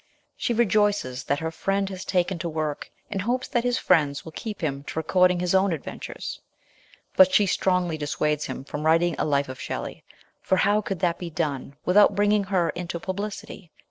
She rejoices that her friend has taken to work, and hopes that his friends will keep him to re cording his own adventures ; but she strongly dissuades him from writing a life of Shelley, for how could that be done without bringing her into publicity